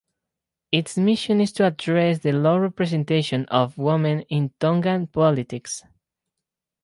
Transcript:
Its mission is to address the low representation of women in Tongan politics.